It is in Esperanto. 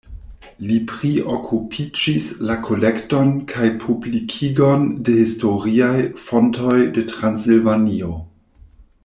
Li priokupiĝis la kolekton kaj publikigon de historiaj fontoj de Transilvanio.